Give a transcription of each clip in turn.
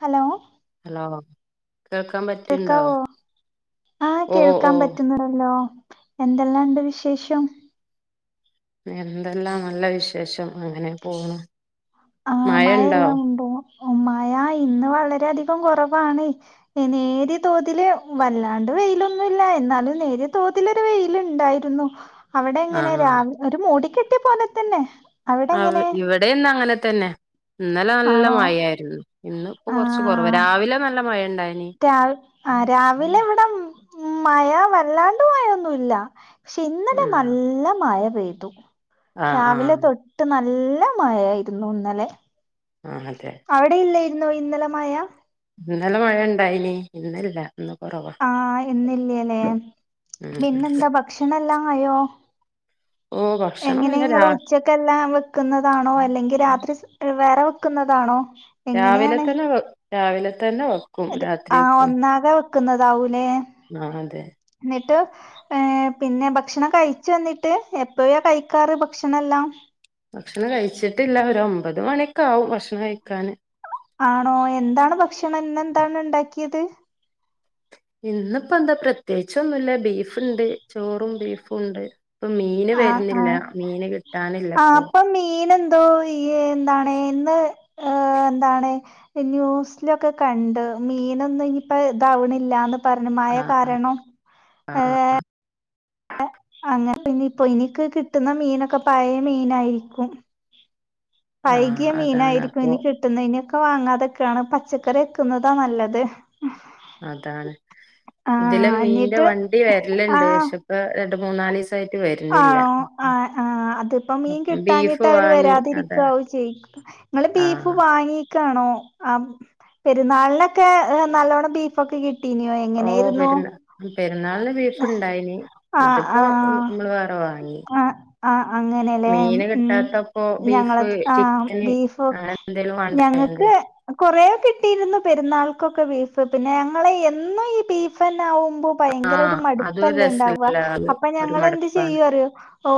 Hello hello കേൾക്കാൻ പറ്റ്ണ്ടോ കേൾക്കാവോ ആഹ് ഓ ഓ കേൾക്കാൻ പറ്റുന്നതല്ലോ എന്തെല്ലാം ഉണ്ട് വിശേഷം പിന്നെ എന്തെല്ലാം നല്ല വിശേഷം അങ്ങനെ പോണ് ആ മഴ മഴണ്ടോ എല്ലാം ഉണ്ട് മഴ ഇന്ന് വളരെ അധികം കൊറവാണ് നേരിയ തോതില് വല്ലാണ്ട് വെയിലൊന്നുല്ല എന്നാലും നേരിയ തോതിൽഒരു വെയിലുണ്ടായി രുന്നു അവിടെ എങ്ങനൊ രാ ആഹ് ഒരു മൂടിക്കെട്ടിയ പോലെ തന്നെ അവിടെ അത് എങ്ങനെ ഇവിടെന്ന് അങ്ങനെ തന്നെ ഇന്നലെ നല്ല ആണോ മഴ ആയിരുന്നു. ഇന്ന് ഇപ്പൊ കൊറച്ച് കൊറവ് രാവിലെ നല്ല മഴ ഉണ്ടായിനി. ര ആ രാവിലെ ഇവിടെ ഉ മഴ വല്ലാണ്ട് മഴൊന്നുല്ല പക്ഷെ ഇന്നലെ ആഹ് നല്ല മഴ പെയ്തു ആഹ് രാവിലെ ആഹ് തൊ ട്ട് നല്ല മഴ ആയിരുന്നു ഇന്നലെ ആ അതെ അവിടെയില്ലായിരുന്നോ ഇന്നലെമഴ? ഇന്നലെ മഴ ഇണ്ടായിനി ഇന്നില്ല ഇന്ന് കൊറവ ആഹ് ഇന്നില്ലേല്ലേ ഉം ഇന്നെന്താ ഭക്ഷണം എല്ലാം ആയോ? [unintelligible] എങ്ങനെ നിങ്ങള് രാ ഉച്ചക്കെല്ലാം വെക്കുന്നതാണോ അല്ലെങ്കിൽ രാത്രി വേറെ വെക്കുന്നതാണോ? രാവിലെ എങ്ങനെയാണ് തന്നെ രാവിലെ തന്നെ വ അതെ ആഹ് ഒന്നാകെ വെക്കുന്നതാവൂലേ ആഹ് അതെ എന്നിട്ട് ഏഹ് പിന്നെ ഭക്ഷണം കഴിച്ചോ എന്നിട്ട് എപ്പോഴകഴിക്കാറ് ഭക്ഷണം എല്ലാം? ഭക്ഷണം കഴിച്ചിട്ടില്ല ഒരു ഒമ്പത് മണിഒക്കെ ആവും ഭക്ഷണം കഴിക്കാന് ആണോ എന്താണ് ഭക്ഷണം ഇന്ന് എന്താണ് ഇണ്ടാക്കിയത്? ഇന്നിപ്പോ എന്താ പ്രത്യേകിച്ചൊന്നുമല്ല ബീഫുണ്ട് ചോറും ബീഫും ഉണ്ട് ഇപ്പൊ മീന് ആഹ് വരുന്നില്ല ആഹ് മീന് കിട്ടാനില്ല ഇപ്പൊ തൊയി എ എന്താണ് ഇന്ന് ഏഹ് എന്താണ് ന്യൂസിലൊക്കെ കണ്ട് മീനൊന്നും ഇനിപ്പതവണില്ലാന്ന് പറഞ്ഞ് മഴ ആഹ് കാരണം ഏഹ് അങ്ങനെ പിന്നെ ഇപ്പൊ എനിക്ക് കിട്ടുന്ന മീനൊക്കെ പഴയ മീനായിരിക്കും. ആഹ് പൈകിയ അതാണ് മീനായിരിക്കും അപ്പൊ ഇനികി കിട്ടുന്നതിനനൊക്കെ വാങ്ങാതൊക്കെയാണ് പച്ചക്കറി വക്കുന്നതാ നല്ലത് അതാണ് ഇതിലെ ആഹ് മീന്റെ എന്നിട്ട് വണ്ടി വരലുണ്ട് പക്ഷെ ഇപ്പ രണ്ട് മൂന്നാല് ദിവസ ആ ഒ ആ ആ അതിപ്പോ മീൻ അപ്പം ബീഫ് കിട്ടാഞ്ഞിട്ട് അവര് വാങ്ങി അതെ വരാതിരിക്കാവും ചെയ്യി നിങ്ങള് ബീഫ് ആഹ് വാങ്ങി ക്കണോ അം പെരുന്നാളിനൊക്കെ നല്ലവണം ബീഫൊക്കെ കിട്ടി ഓ പെരുന്നാ പെരുന്നാളിന് വീ ഫ്ഉണ്ടായിന് ആഹ് ഇതിപ്പോ ഹ് ആഹ് നമ്മള് വേറെ വാങ്ങി ആ ആ അങ്ങനെല്ലേ മീന് ഉം കിട്ടാത്ത പ്പൊ ഞങ്ങളെ ബീഫ് ആ ചിക്കന് അങ്ങനെ എന്തേലും വേണ്ടേ നിനക്കു. കൊറെ കിട്ടിരുന്നു പെരുന്നാൾക്കൊക്കെ ബീഫ്. പിന്നെ ഞങ്ങളെ എന്നും ഈ ബീഫന്നെ ആവുമ്പോ ഭയങ്കര ഒരു ആഹ് അതും ഒരു മടുപ്പല്ലേ ഉണ്ടാവ രസല്ല അത് അപ്പൊ ഒരു ഞങ്ങള് എന്ത് മടുപ്പാണ് ചെയ്യും അറിയോ.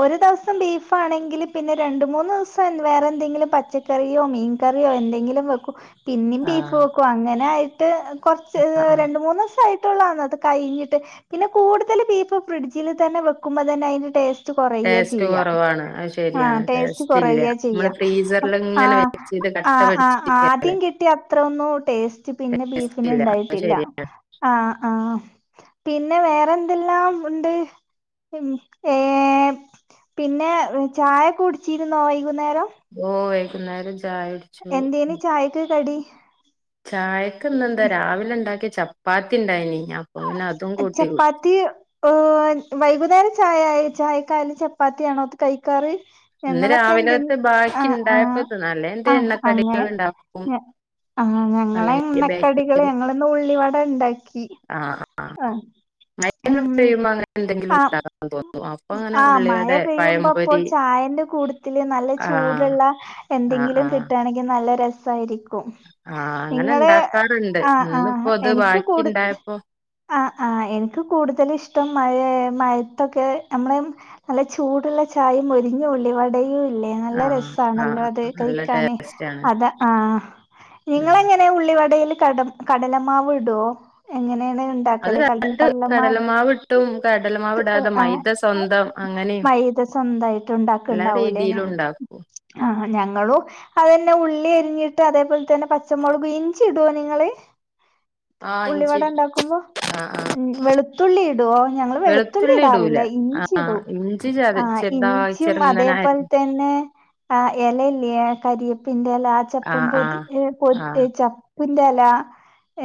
ഒരു ദിവസം ബീഫാണെങ്കില് പിന്നെ രണ്ട് മൂന്ന്സം വേറെ എന്തെങ്കിലും പച്ച കറിയോ മീൻ കറിയോ എന്തെങ്കിലും വെക്കും. പിന്നെയും ബീഫ് ആഹ് പോക്കും അങ്ങനെ ആയിട്ട് കൊറച്ച് ആഹ് ആഹ് രണ്ട് മൂന്നീസായി [unintelligible] അത് കഴിഞ്ഞിട്ട് പിന്നെ കൂടുതൽ ബീഫ് ഫ്രിഡ്ജിൽ തന്നെ വെക്ക്മ്പോ തന്നെ അതിന്റെ ടേസ്റ്റ് സ്റ്റ് കൊറയാ ടേസ്റ്റ് ചെയ്യ. കുറവാണ് അത് ആ ശരിയാണ് ടേസ്റ്റ് ഇല്ല കൊറയാ ചെയ്യ നമ്മള് അ ഫ്രീസറിൽ ആ ഇങ്ങനെ വെച്ചത് ആ കട്ട ആ പിടിച്ചിരിക്കല്ലേ ആദ്യം കിട്ടി അത്രൊന്നും ടേസ്റ്റ് പിന്നെ ടേസ്റ്റ് ഇല്ല അത് ബീഫിനിണ്ടായിട്ടില്ല. ശരിയാണ് ആ, ആഹ് പിന്നെ വേറെ എന്തെല്ലാം ഉണ്ട്. ഉ ഏ പിന്നെ ചായ കുടിച്ചിരുന്നോ വൈകുന്നേരം. ഓ വൈകുന്നേരം ചായോടി എന്തെന് ചായക്ക് കടി. ഉം. ചായക്ക്ന്നെന്താ രാവിലെ ഉണ്ടാക്കിയ ചപ്പാത്തിണ്ടായിനി അപ്പം പിന്നെ അതും കൂട്ടികുടി അത്തി ഓ വൈകുന്നേരം ചായ ചായക്കായാലും ചപ്പാത്തിയാണോ അത് കയിക്കാറ്. ഇന്ന് ഞങ്ങളൊക്കെ എന്തെ രാവിലത്തെ ആ, ബാക്കി ആ, ഉണ്ടായപ്പോ നല്ല എന്തേ ആ എണ്ണക്കടികൾ അങ്ങനെ. ഉണ്ടാക്കും ആ ഞങ്ങളെ അല്ലെങ്കിൽ എണ്ണക്കടികള് ബേക്കറി ഞങ്ങളിന്ന് ഉള്ളി വട ഇണ്ടാക്കി. ആ ആഹ് ഉം അങ്ങനെ എന്തെങ്കിലും ആ ഉണ്ടാക്കാ അപ്പൊ അങ്ങനെ ആഹ് മഴ ഉള്ളിവടെ പെയ്യുമ്പോ അപ്പോ പഴംപൊരി ചായന്റെ കൂടത്തില് നല്ല ആഹ് ചൂടുള്ള. ആഹ് എന്തെങ്കിലും ആഹ് കിട്ട് ആണെങ്കി നല്ല രസായിരിക്കും. ക്കും ആഹ് അങ്ങനെ ഇങ്ങള് ഇണ്ടാക്കാറുണ്ട് ആ, ആ ഇന്നിപ്പോ ഇത് എനിക്ക് ബാക്കി കൂടു ഇണ്ടായപ്പോ ആ, ആ എനിക്ക് കൂടുതൽ ഇഷ്ടം മഴ മഴത്തൊക്കെ നമ്മള് നല്ല ചൂടുള്ള ചായയും മൊരിഞ്ഞഒള്ളി വടയും. നല്ല ആഹ് രസണല്ലോ ആഹ് അത് നല്ല കഴിക്കാന് ടേസ്റ്റ് ആണ് അത ആ ഉം നിങ്ങളെങ്ങ ങ്ങെ ഉള്ളിവടെല് കട കടലമാവ് ഇടുവോ എങ്ങനെണ്. അത് ണ്ടാക്കല് കട രണ്ട് കടല മാവ് കടലമാവ് ഇട്ടും കടലമാവ് ഇടാതെ ആ മൈദ സ്വന്തം അങ്ങനെയും മൈദ സ്വന്തായിട്ട് എല്ലാ ഉണ്ടാക്കണ്ടാവൂലേ രീതിയിലും ഞങ്ങ ഉണ്ടാക്കും ആഹ ഞങ്ങളും അത് തന്നെ ഉള്ളി അരിഞ്ഞിട്ട് അതേപോലെ തന്നെ പച്ചമുളക് ഇഞ്ചി ഇടൊ നിങ്ങള്. [inaudible] ഇഞ്ചി ഉള്ളിവടണ്ടാക്കുമ്പോ. ആഹ് ആഹ് വെളുത്തുള്ളി ഇടുവോ ഞങ്ങള് വെളുത്തുള്ളി ഇടൂല ഇടാറില്ല ഇഞ്ചി ആഹ് ചിഇടും ഇഞ്ചി ചത ആ ചെറുതായി ഇഞ്ചിയും ചെറുന്നനെ അതെപോലെതെ അരിഞ്ഞ് പിന്നെ എലെയില്ലേ കാരിയാപ്പിന്റെ എല ചപ്പും ആഹ് പൊതി ആഹ് പൊ ആഹ് ചപ്പിന്റെല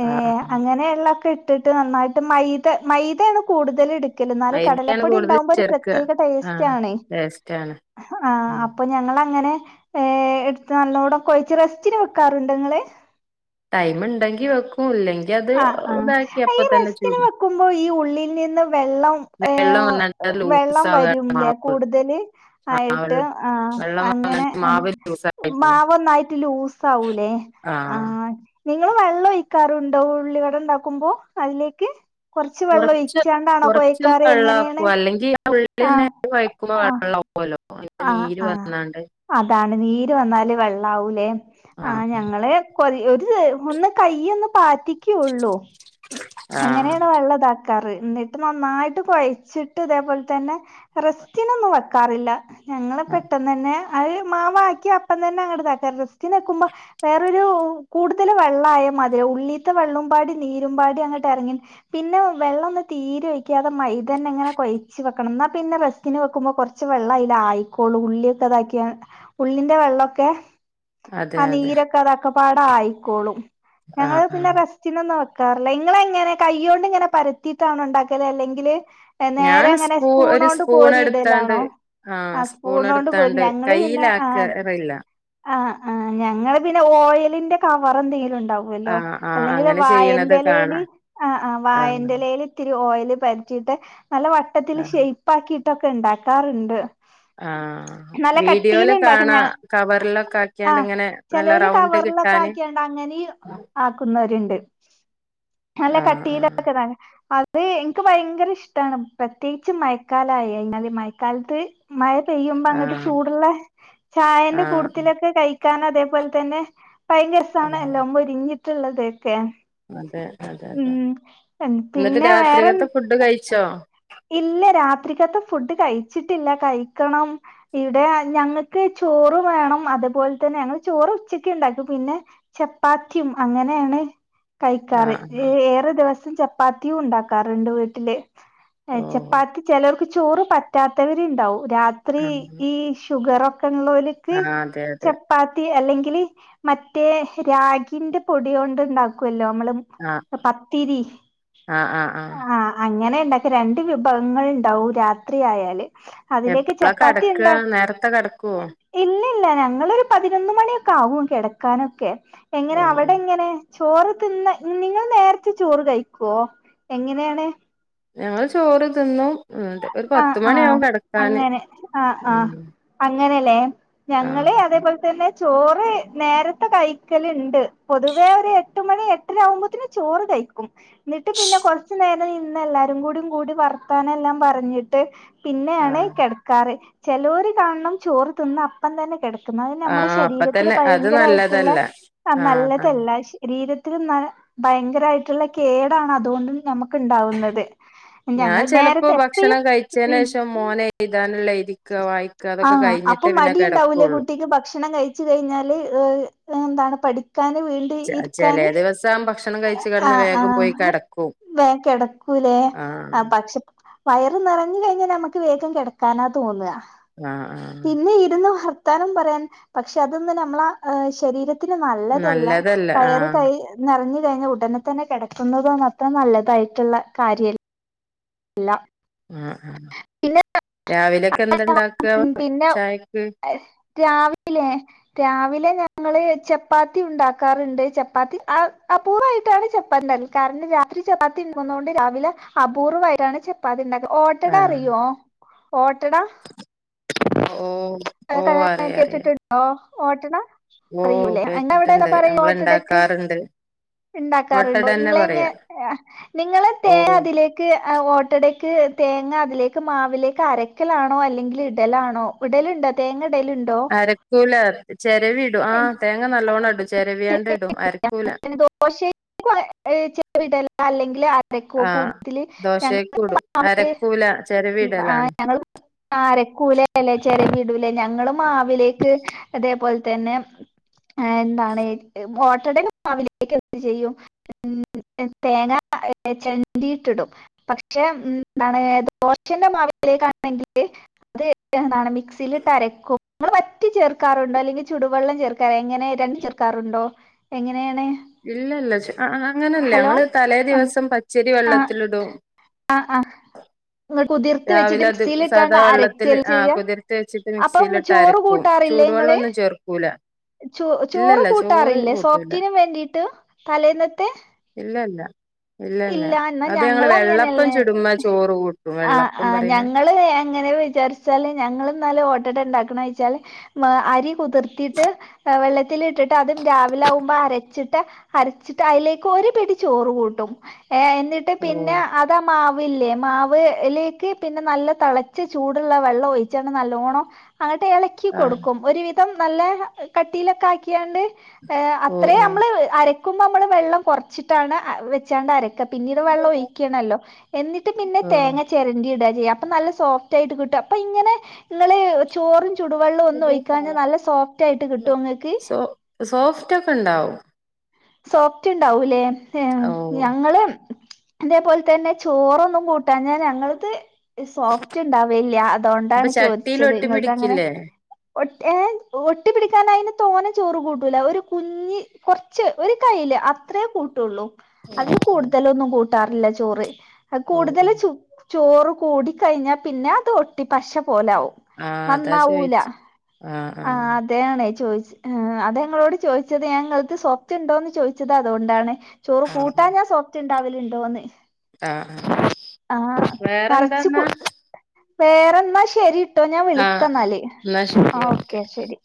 ഏ ആഹ് അങ്ങനെള്ളൊക്കെ ഇ ഇട്ടിട്ട് നന്നായിട്ട് മൈത മൈതയാണ് കൂടുതൽ എടുക്കൽ എന്നാലും മൈദയാണ് കടലപ്പൊടി കൂടുതൽ ഉണ്ടാവും ഒരു ചേർക്ക പ്രത്യേക ആഹ് ടെസ്റ്റാണെ ടേസ്റ്റ് ആണ് ആഹ് അപ്പോ ഉം അപ്പൊ ഞങ്ങളങ്ങനെ എടുത്ത് നല്ലോണം കൊഴച്ച് റെസ്റ്റിന് വെക്കാറുണ്ട് ഇങ്ങള് ടൈമ് ഇണ്ടെങ്കി വെക്കും ഇല്ലെങ്കി അത് ആ, ആ ഇതാക്കി അപ്പ ഈ തന്നെ റെസ്റ്റിന് ചുടും വെക്കുമ്പോ ഈ ഉള്ളിൽ നിന്ന് വെള്ളം വെള്ളം വന്നാണ്ട് ലൂസ് വെള്ളം ആവാണ് വരുംല്ലേ മാവ് കൂടുതല് ആയിട്ട് ആഹ് ആ വെള്ളം അങ്ങനെ വന്നാണ്ട് മാവ് ലൂസായി പോവും മാവ് നന്നായിട്ട് ലൂസ് ആവൂലേ ആ ആഹ് നിങ്ങള് വെള്ളം ഒഴിക്കാറുണ്ടോ ഉള്ളിവട ഉണ്ടാക്കുമ്പോ അതിലേക്ക്. കൊറച്ച് വെള്ളം ഒഴിച്ചാണ്ടാണോ കോഴക്കാറ് എങ്ങനെണ് ഉള്ളി തന്നെ കഴക്കുമ്പോ വെള്ളലോ ആഹ് നീര് ആഹ് വന്നാണ്ട്. അതാണ് നീര് വന്നാല് വെള്ളാവൂലേ ആഞ ആഹ് ഞങ്ങള് കൊറ ഒരു ഒന്ന് കൈയ്യ് ഒന്ന് പാറ്റിക്കള്ളൂ ആഹ് അങ്ങനെയാണ് വെള്ളതാക്കാറ് എന്നിട്ട് നന്നായിട്ട് കൊയച്ചിട്ട് ഇതേപോലെ തന്നെ റെസ്റ്റിനൊന്നും വെക്കാറില്ല ഞങ്ങള് ആഹ് പെട്ട ന്നന്നെ അത് മാവാക്കി അപ്പം തന്നെ അങ്ങട് തട്ടാ റസ്റ്റിനെക്കുമ്പൊ വേറൊരു കൂടുതൽ വെള്ളായ മാതിരി ഉള്ളീത്തെ വെള്ളം പാടി നീരും പാടി അങ്ങ്ട്ടെറങ്ങി പിന്നെ വെള്ളം ഒന്ന് തീരെ ഒഴ്‌ക്കാതെ മൈതെന്നെ ഇങ്ങനെ കൊയ്ച്ച് വെക്കണം ഇന്നാ പിന്നെ ത്തിന് വെക്കുമ്പോ കുറച്ച് വെള്ളം അയിലായി ക്കൊ ഉള്ളി ഇതാക്കിയാണ് ഉള്ളിന്റെ വെള്ളൊക്കെ അതെ ആഹ് അതെ നീരൊക്കെ ഒക്കെപ്പാടായിക്കോളും ആഹ് ഞങ്ങള് പിന്നെ ആഹ് റെസ് റ്റിനൊന്നും വെക്കാറില്ല ഇങ്ങളെങ്ങനെ കയ്യോണ്ടിങ്ങനെ പരത്തീട്ടാണൊ ഇണ്ടാക്കല് അല്ലെങ്കില് നേരെ ഞാൻ ഇങ്ങനെ സ്പൂ ഒരു സ്പൂണോണ്ട് സ്പൂൺ കോരി എടുത്താണ്ട് ഇടലാണോ ആഹ് സ്പൂൺ സ്പൂണോണ്ട് കോറും എടുത്താണ്ട് ഞങ്ങള് പിന്നെ ആഹ് കയ്യിലാക്കറില്ല ആഹ്, ആഹ് ഞങ്ങള് പിന്നെ ഓയിലിന്റെ കവറെന്തെങ്കിലുണ്ടാവും. വെല്ലോ ആഹ് ആഹ് അല്ലെങ്കില് അങ്ങനെ ചെയ്യണത് വായന്റെ കാണാ എലേല് ആഹ് ആഹ് വായന്റെ എലേൽ ഇത്തിരി ഓയില് പെരറ്റീട്ട് നല്ല വട്ടത്തില് ആഹ് ഷെയ്പ്പാക്കിയിട്ടൊക്കെ ഇണ്ടാക്കാറുണ്ട് ആഹ് നല്ല കട്ടീല് വീഡിയോല് ഇണ്ടാക്കും കാണാം കവറിലൊക്കാക്കിയാണ്ടിങ്ങനെ ചെലേല് കവറിലൊക്കെ ആക്കിയാണ്ട് അങ്ങനി ആഹ് ആക്കുന്നവരുണ്ട് നല്ല ആഹ് കട്ടിയിലോക്കെ ഇടാന് അ അത് എനിക്ക് ഭയങ്കര ഇഷ്ടാണ് പ്രത്യേകിച്ച് മയക്കാലായിഞ്ഞാല് മയക്കാലത്ത് മഴ പെയ്യുമ്പോ അങ്ങട്ട് ആഹ് ചൂടുള്ള ചായന്റെ ആഹ് കൂടത്തിലൊക്കെ കഴ് കാരണം അതേപോലെ തന്നെ ആഹ് ഭയങ്കരസാണല്ലൊ മൊരിഞ്ഞിട്ടുള്ളതൊക്കെ അതെ അതെ അതെ ഉം എന്നിട്ട് പിന്നെ വേറെ രാത്രീലത്തെ ഫുഡ് കയിച്ചോ ഇല്ല, രാത്രിക്കത്തെ ഫുഡ് കയിച്ചിട്ടില്ല. കയിക്കണം. ഈടെ ഞങ്ങക്ക് ചോറ് വേണം അത് പോലെ തന്നെ ഞങ്ങൾ ചോറ് ഉച്ചക്ക് ഇണ്ടാക്കു പിന്നെ ചപ്പാത്തിയും അങ്ങനെയാണ് കഴിക്കാറ് ആഹ് ഏ ആഹ് ഏറെ ദിവസം ചപ്പാത്തിയും ഉണ്ടാക്കാറണ്ട് വീട്ടില് ഓഹ് ചപ്പാത്തി ചെലർക്ക് ചോറ് പറ്റാത്തവര്ണ്ടാവും രാത്രി ആഹ് ഈ ഷുഗറൊ ഉള്ളോല്ക്ക് ആഹ് അതെ ച അതെ ചപ്പാത്തി അല്ലെങ്കില് മറ്റേ രാഗിന്റെ പൊടി കൊണ്ടുണ്ടാക്കുവല്ലോ നമ്മള് ആഹ് പത്തിരി. ആഹ് ആഹ് ആഹ് അങ്ങനെ ഇണ്ടാക്കി രണ്ട് വിഭവങ്ങളുണ്ടാവും രാത്രി ആയാല് അതിലേക്ക് എപ്പളാ കെടക്കാ ചപ്പാത്തിയുണ്ടാ നേരത്തെ കെടക്കുവോ ഇല്ലില്ല ഞങ്ങളൊരു പതിനൊന്ന് മണിയൊക്കാവും കെടക്കാനൊക്കെ എങ്ങനെ ഓഹ് ഓഹ് അവടെങ്ങനെ ചോറ് തിന്ന നിങ്ങൾ നേര്ത്തെ ചോറ് കഴിക്കുവോ എങ്ങനെണ്? ഞങ്ങള് ചോറ് തിന്നു ഒരു ആഹ് ആഹ് പത്തുമണിയാവും കെടക്കാന് ഉം. അങ്ങനെലെ ആഹ് ഞങ്ങള് അതേപോലെ തന്നെ ചോറ് നേരത്തെ കയിക്കല്ണ്ട്. പൊതുവേ ഒരു എട്ട് മണി എട്ടര ആകുമ്പോത്തിന് ചോറ് കയി ക്കും ഇന്നെട്ട് പിന്നെ കൊർച്ചു നേരം ഇര്ന്ന് എല്ലാരും കൂടും കൂടി വർത്താനം എല്ലാം പറഞ്ഞിട്ട് പിന്നെയാണ് ആഹ് കെടക്കാറ് ചെലോര് കാണണം ചോറ് തിന്ന് അപ്പം തന്നെ കെട നമ്മുടെ ആഹ് അപ്പ ശരീരത്തില് തന്നെ അത് ഭയങ്കരായിട്ടുള്ള നല്ലതല്ല അത് ആഹ് ആഹ് നല്ലതല്ല പക്ഷെ ശരീരത്തിനും ഭയങ്കരായിട്ടുള്ള കേടാണ് അതുകൊണ്ട് നമുക്കുണ്ടാവുന്നത് ഞാൻ ഞങ്ങൾ ചെലപ്പോ നേരിട്ട് ഭക്ഷണം കയിച്ചയിനേഷം മോനെയ്താനുള്ളെയ്തിക്കാ വായി ആഹ് അപ്പം മടി ഇണ്ടാവൂലേ കുട്ടിക്ക് ഭക്ഷണം കഴ്‌ ച്ച് കഴിഞ്ഞാല് ഏഹ്, എന്താണ് പഠിക്കാന് വി ചെ ചെലേ ദിവസം ഭക്ഷ ആഹ് ആഹ് വേ കിടക്കൂലേ ആഹ് പക്ഷേ വയറ് നെറഞ്ഞു കഴിഞാൽ നമുക്ക് വേഗം കിടക്കാന തോന്ന ആഹ് ആഹ് പിന്നെ ഇരുന്ന് ത്താനും പറയാൻ പക്ഷെ, അതൊന്ന് നമ്മള ശരീരത്തിന് നല്ലതല്ല. വയറ് കൈ നിറഞ്ഞു കഴിഞ്ഞ ഉടനെ തന്നെ കിടക്കുന്നുത് മൊത്തം നല്ലതായിട്ടുള്ള കാര്യ മ് മ് പിന്നെ രാവിലെക്കെന്തുണ്ടാക്കാ പിന്നെ ചായക്ക് രാവിലെ രാവിലെ ഞങ്ങള് ചപ്പാത്തി ഉണ്ടാക്കാറ്ണ്ട് ചപ്പാത്തി അപൂർവായിട്ടാണ് ചപ്പാത്തിണ്ടാക്കല് കാര്ണം രാത്രി ചപ്പാത്ത് ഇണ്ടാക്കുന്നോണ്ട് രാവിലെ അപൂർവായി ട്ടാണ് ചപ്പാത്തിണ്ടാക്ക ഓട്ടട ആഹ് അറിയൊ ഓട്ടട ഓഹ് ഓഹ് [unintelligible] അറിയാ അറിയാ കേട്ടിട്ടുണ്ടൊ ഓട്ടട ഓഹ് അറിയ്യൂലെ അയ്ന് അവടെന്ത കേട്ടിട്ടുണ്ട് പറയ നമ്മള് ഓട്ടടക്ക് ഇണ്ടാക്കാറുണ്ട് ഇണ്ടാക്കാറ്ണ്ടൊ ഓട്ടടന്നെ ഇങ്ങ്ളെങ്ങ പറയാ നിങ്ങള് തേങ്ങ ഓഹ് അതിലേക്ക് ക്ക് ഓട്ടടക്ക് തേങ്ങ അതിലേക്ക് മാവിലേക്ക് അരക്കലാണൊ അല്ലെങ്കില് ഇടലാണൊ ഇടല്ണ്ട് തേങ്ങ ഇടല്ണ്ടൊ ക്കൂല ചെരവി ഇടും. ആഹ് തേങ്ങ ഇടലുണ്ടോ നല്ലോണ്ണം ഇടും ചെരവിയാണ്ട് ഇടും അരക്കൂല പിന്നെദോശ്ശെ ചെരവിടല അല്ലെങ്കി ആ അരക്കും കൂടുതല് [unintelligible] ദോശേക്കൂടും അവര് അരക്കൂല ആഹ് ചെരവിടലാണ് ഞങ്ങളും ആഹ് അരക്കൂലലെ ചെരവി ഇടുലെ ഞങ്ങളും മാവിലേക്ക് ഇന്നെ പോല് തന്നെ എന്താണ് ഓട്ടടന്റെ മാവിലേക്ക് എന്ത് ചെയ്യും ഉം തേങ്ങ ചെരണ്ടീട്ട്ടും പക്ഷെ ഉം ഇന്താണ് ദോഷന്റെ മാവിലേക്കാണെങ്കില് അത് എന്താണ് മിക്സീലിട്ട് അരക്കും ഇങ്ങള് പറ്റെ ചെർ ക്കാറുണ്ടൊ അല്ലെങ്കി ചുടുവള്ളം ചേർക്കാറൊണ്ടോ എങ്ങനെ രണ്ടും ചേർക്കാറുണ്ടൊ എങ്ങനേയാണ് ഇല്ലല്ല ച് അങ്ങനല്ല ഞങ്ങള് തലേ ദിവസം പച്ചരി ആഹ് വെള്ളത്തിലിടും ആഹ് ആഹ് ങ്ങൾ കുതിർത്ത് വച്ചിട്ട് രാവിലെ അത് മിക്സില്ട്ടാണ്ട് സാധാ വെള്ളത്തിൽ അരക്കല്ലെ ആ ചെയ്യ കുതിർത്ത് വെച്ചിട്ട് അപ്പം മിക്സിയിലിട്ട് ചോറ് അരക്കും കൂട്ടാറില്ലെ ഇങ്ങള് ചൂടുവെള്ളൊന്നും ചേർക്കൂല ചോ ചോറ് ഇല്ലല്ല ചോറ് കൂട്ടാറില്ലെ കൂട്ടൂല സോഫ്റ്റിനും വേണ്ടീട്ട് തലേന്നത്തെ ഇല്ല ഇല്ല ഇല്ലല്ല ഇല്ല എന്നാ അത് ഞങ്ങള് വെള്ളപ്പം ഞങ്ങളങ്ങനെയല്ലേ ചുടുമ്മ ചോറ് കൂട്ടും ആഹ് വെള്ളപ്പം ആഹ് പറീണെ ഞങ്ങള് എങ്ങനെ വിചാരിച്ചാല് ഞങ്ങള് ഇന്നാല് ഓട്ടട ഇണ്ടാക്ക്ണൊയ്ച്ചാല് മ് അരി കുതിർത്തീട്ട് ഏഹ് വെള്ളത്തിലിട്ടിട്ട് അതും രാവില ആവുമ്പ അരച്ചിട്ട് അരച്ചിട്ട് അയിലേക്ക് ഒര് പിടി ചോറ് കൂട്ടും ഏഹ് എന്നിട്ട് ഓ പിന്നെ ത മാവില്ലെ മാവ് ലേക്ക് പിന്നെ നല്ല തളച്ച ചൂട്ള്ള വള്ളം ഒഴിച്ചൺ നല്ലോണം അങ്ങ്ട്ട് എളക്കി ആ കൊടുക്കും ഒരുവിധം നല്ല കട്ടീലൊക്ക ആക്ക്യാണ്ട് ഏഹ് ഓ അത്രേ ഞമ്മള് അരക്കുമ്പൊ ഞമ്മള് വെള്ളം കൊറ്ച്ചിട്ടാണ് വെച്ചാണ്ട് അര പിന്നീട് വെള്ളം ഒഴിക്കണല്ലൊ എന്നിട്ടും പിന്നെ ഓ തേങ്ങ ചെരണ്ടി ഇട ചെയ്യ അപം നല്ല സോഫ്റ്റായിട്ട് കിട്ടും അപ്പ ഇങ്ങനെ ഇങ്ങള് ചോറ് ചുടുവെള്ളം ഒന്ന് ഓ ഒഴിക്കാഞ്ഞ നല്ല സോഫ്റ്റ് ആയിട്ട് ല്ല. കിട്ടൊ ഇങ്ങക്ക് സോ സോഫ്റ്റ് ഒക്ക ഇണ്ടാവും സോഫ്റ്റ് ഇണ്ടാവുലേ ഏഹ് ഓ ഞങ്ങള് അതേപോല തന്നെ ചോറൊന്നും കൂട്ടാഞ ഞങ്ങൾത് സോഫ്റ്റ് ഇണ്ടാവില്ല അപ്പൊ അതോണ്ടാണ് ചട്ടിൽ ചോദിച്ചത് ഒട്ടി ഇങ്ങളതങ്ങനെ പിടിക്കില്ലേ ഒട്ടി ഏഹ് ഒട്ടി പിടിക്കാന അയിന് തോനെ ചോറ് കൂട്ടൂല ഒരു കുഞ്ഞി കൊറ് ച്ച് ഒരാ കയില് അത്രെ കൂട്ടൊള്ളു അതില് കൂട്തലൊന്നും കൂട്ടാറില്ല ചോറ് ഓ ഓ കൂടുതല് ചൊ ചോറ് കൂടി കഴിഞ്ഞ പിന്നെ അത് ഒട്ടി പശ പോലാവും ആ അതാ നന്നാവൂല ചോയിച്ച ആ ആ ആഹ് അ തെ ആണെ ചോദിച് ഏഹ് അതെ ഇങ്ങളോട് ചോദിച്ചത് ഞാ ഇങ്ങൾത് സോഫ്റ്റ്ണ്ടോന്ന് ചോയ്ച്ചത് അതോണ്ടാണ് ചോറ് ആ കൂട്ടാഞാ സോഫ്റ്റ് ഇണ്ടാവല്ണ്ടോന്ന് ആ ആഹ് നെറച്ച് കു വേറെന്താന്നാ വേറെന്നാ ശരി ട്ടൊ ഞാൻ ആ വിളിക്കന്നാല് എന്നാ ശരി ഓക്കെ ശരി